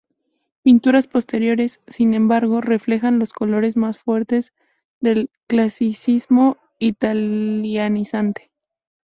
Pinturas posteriores, sin embargo, reflejan los colores más fuertes del clasicismo italianizante.